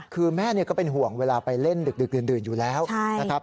คือแม่เนี้ยก็เป็นห่วงเวลาไปเล่นดึกดื่นดื่นอยู่แล้วใช่นะครับ